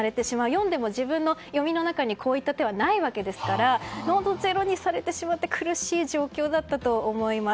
読んでも自分の読みの中にこういった手はないわけですからどんどんゼロにされてしまって苦しい状況だったと思います。